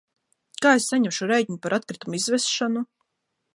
Kā es saņemšu rēķinu par atkritumu izvešanu?